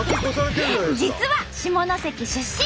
実は下関出身。